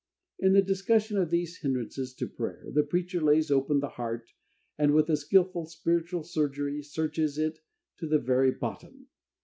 In the discussion of these hindrances to prayer, the preacher lays open the heart, and with a skilful spiritual surgery, searches it to the very bottom.